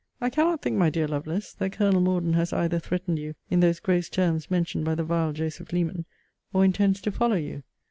I cannot think, my dear Lovelace, that Colonel Morden has either threatened you in those gross terms mentioned by the vile Joseph Leman, or intends to follow you.